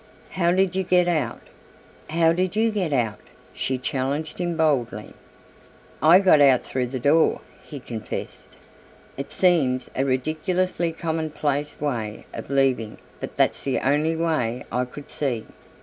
"How did you get out?" "How did you get out?" she challenged him boldly. "I got out through the door," he confessed; "it seems a ridiculously commonplace way of leaving but that's the only way I could see."